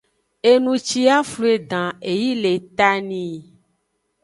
Enu ci yi a flu edan, e yi le eta nii.